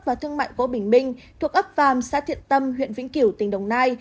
và thương mại của bình minh thuộc ấp vàm sát thiện tâm huyện vĩnh kiểu tỉnh đồng nai